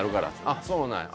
「あっそうなんや」